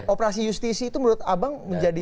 operasi justisi itu menurut abang menjadi